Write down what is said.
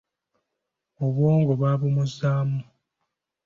Obwongo babumuuzaamu.